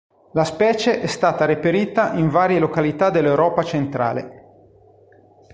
La specie è stata reperita in varie località dell'Europa centrale.